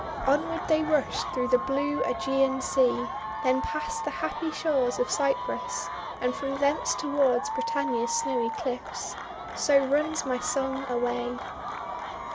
Onward they rushed through the blue ^Egean Sea, then past the happy shores of Cyprus, and from thence toward Britannia's snowy cliffs. So runs my song away!